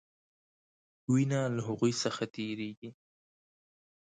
وینه له هغوي څخه تیریږي.